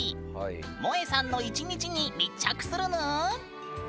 もえさんの１日に密着するぬん！